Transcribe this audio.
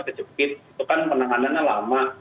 kejepit itu kan penanganannya lama